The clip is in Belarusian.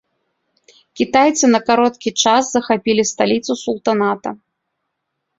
Кітайцы на кароткі час захапілі сталіцу султаната.